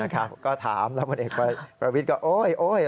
ก็ถามแล้วผลเอกประวิทย์ก็โอ๊ย